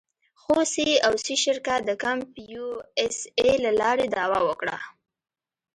خو سي او سي شرکت د کمپ یو اس اې له لارې دعوه وکړه.